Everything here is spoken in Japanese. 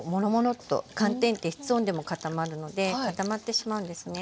寒天って室温でも固まるので固まってしまうんですね。